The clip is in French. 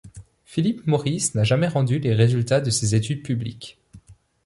Philip Morris n'a jamais rendu les résultats de ces études publics.